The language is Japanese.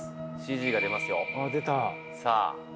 ＣＧが出ますよあっ出たさあ